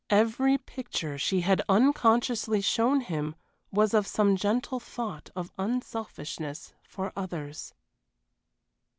Every picture she had unconsciously shown him was of some gentle thought of unselfishness for others.